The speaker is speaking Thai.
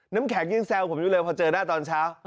น้ำแข็งยังแซวผมอยู่เลยพอเจอได้ตอนเช้า